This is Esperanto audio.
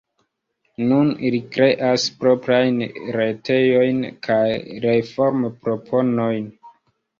Nun ili kreas proprajn retejojn kaj reformproponojn.